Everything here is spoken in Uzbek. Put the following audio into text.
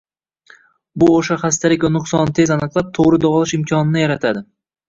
Bu o‘sha xastalik va nuqsonni tez aniqlab, to‘g‘ri davolash imkonini yaratadi